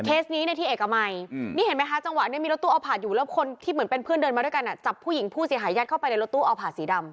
ในที่เอกมัยนี่เห็นไหมคะจังหวะนี้มีรถตู้เอาผ่านอยู่แล้วคนที่เหมือนเป็นเพื่อนเดินมาด้วยกันจับผู้หญิงผู้เสียหายยัดเข้าไปในรถตู้เอาผ่าสีดำ